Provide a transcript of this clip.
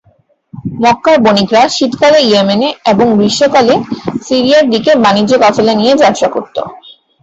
মক্কার বণিকরা শীতকালে ইয়েমেনে এবং গ্রীষ্মকালে সিরিয়ার দিকে বাণিজ্য কাফেলা নিয়ে যাত্রা করত।